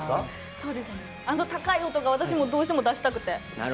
あの高い音をどうしても出したくて。